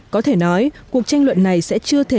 có thể nói cuộc tranh luận này sẽ chưa thể